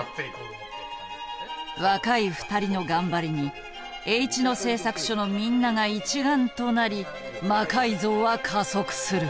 若い２人の頑張りにＨ野製作所のみんなが一丸となり魔改造は加速する。